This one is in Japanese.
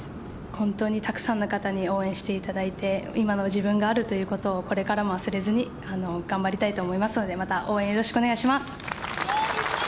本当にたくさんの方に応援していただいて、今の自分があるということを、これからも忘れずに頑張りたいと思いますので、また応援よろしくお願いします。